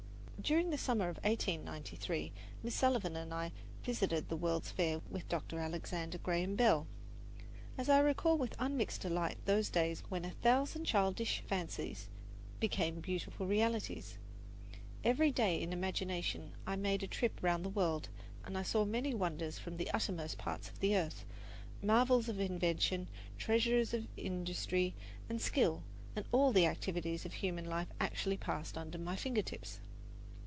During the summer of 1893, Miss Sullivan and I visited the World's Fair with Dr. Alexander Graham Bell. I recall with unmixed delight those days when a thousand childish fancies became beautiful realities. Every day in imagination I made a trip round the world, and I saw many wonders from the uttermost parts of the earth marvels of invention, treasuries of industry and skill and all the activities of human life actually passed under my finger tips.